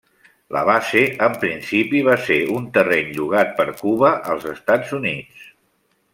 La base en principi va ser un terreny llogat per Cuba als Estats Units.